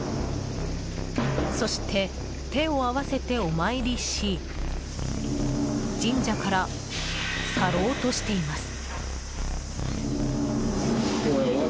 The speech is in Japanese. そして、手を合わせてお参りし神社から去ろうとしています。